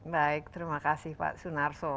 baik terima kasih pak sunarso